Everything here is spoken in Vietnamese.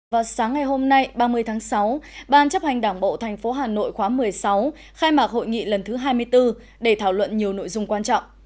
vào sáng ngày hôm nay ba mươi tháng sáu ban chấp hành đảng bộ tp hà nội khóa một mươi sáu khai mạc hội nghị lần thứ hai mươi bốn để thảo luận nhiều nội dung quan trọng